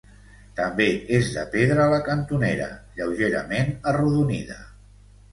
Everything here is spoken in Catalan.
També és de pedra la cantonera, lleugerament arrodonida.